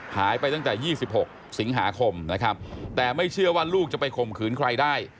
หายไปตั้งแต่๒๖สิงหาคมนะครับแต่ไม่เชื่อว่าลูกจะไปข่มขืนใครได้